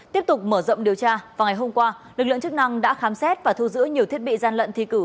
tiếp tục mở rộng điều tra vào ngày hôm qua lực lượng chức năng đã khám xét và thu giữ nhiều thiết bị gian lận thi cử